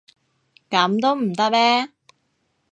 噉都唔得咩？